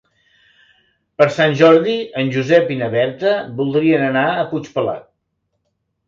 Per Sant Jordi en Josep i na Berta voldrien anar a Puigpelat.